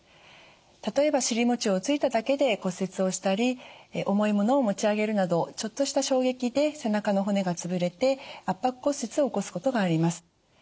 例えば尻もちをついただけで骨折をしたり重いものを持ち上げるなどちょっとした衝撃で背中の骨がつぶれて圧迫骨折を起こすことがあります。